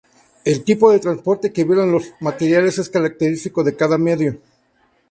El tipo de transporte que violan los materiales es característico de cada medio.